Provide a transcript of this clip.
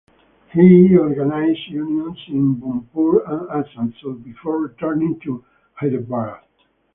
He organised unions in Burnpur and Asansol before returning to Hyderabad.